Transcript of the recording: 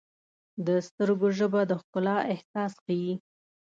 د سترګو ژبه د ښکلا احساس ښیي.